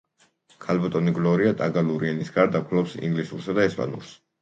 ქალბატონი გლორია ტაგალური ენის გარდა ფლობს ინგლისურსა და ესპანურს.